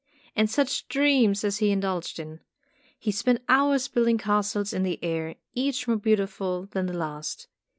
And such dreams as he indulged in! He spent hours building castles in the air, each more beautiful than the last.